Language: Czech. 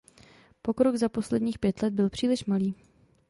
Pokrok za posledních pět let byl příliš malý.